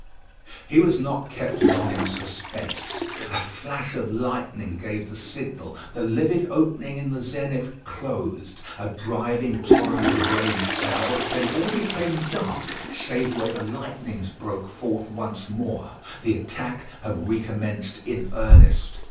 He was not kept long in suspense. A flash of lightning gave the signal; the livid opening in the zenith closed; a driving torrent of rain fell; then all became dark, save where the lightnings broke forth once more. The attack had recommenced in earnest.